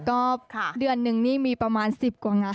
ก็เดือนนึงนี่มีประมาณ๑๐กว่างาน